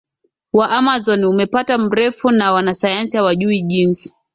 wa Amazon Umepata mrefu na Wanasayansi hawajui Jinsi